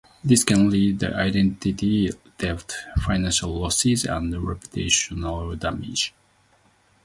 This can lead to identity theft, financial losses, and reputational damage.